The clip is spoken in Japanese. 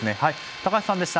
高橋さんでした。